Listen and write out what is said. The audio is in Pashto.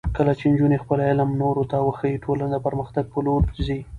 کله چې نجونې خپل علم نورو ته وښيي، ټولنه د پرمختګ په لور ځي.